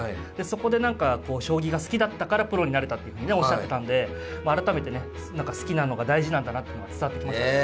そこで何か将棋が好きだったからプロになれたっていうふうにねおっしゃってたんで改めてね好きなのが大事なんだなってのが伝わってきましたね。